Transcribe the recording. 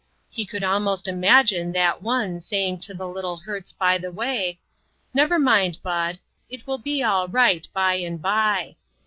He could almost imagine that One saying to the little hurts by the way: "Never mind, Bud; it will be all right by and by."